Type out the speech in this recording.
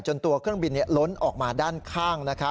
ตัวเครื่องบินล้นออกมาด้านข้าง